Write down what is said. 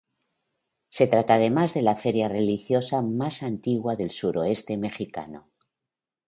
Se trata además de la feria religiosa más antigua del sureste mexicano.